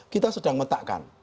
kita sedang menetapkan